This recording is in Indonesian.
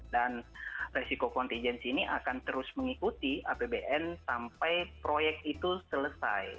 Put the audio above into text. dan risiko kontingensi ini akan terus mengikuti apbn sampai proyek itu selesai